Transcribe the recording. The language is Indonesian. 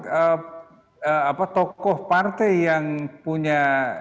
ada tokoh partai yang punya